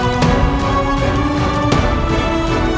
apa yang terjadi